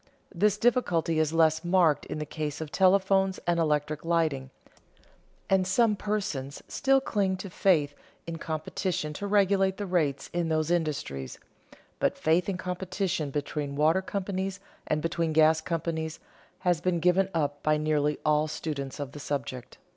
This difficulty is less marked in the case of telephones and electric lighting, and some persons still cling to faith in competition to regulate the rates in those industries; but faith in competition between water companies and between gas companies has been given up by nearly all students of the subject.